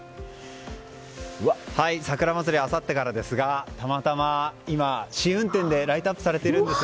さくらまつりはあさってからですがたまたま、今試運転でライトアップされているんです。